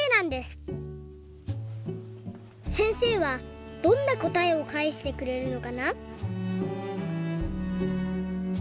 せんせいはどんなこたえをかえしてくれるのかな？